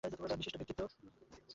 বিশিষ্ট ব্যক্তিত্ব